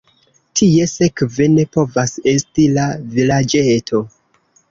Tie sekve ne povas esti la vilaĝeto.